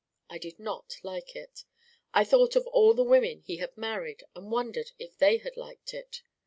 I did not like it. I thought of all the women he had married and wondered if they had liked it.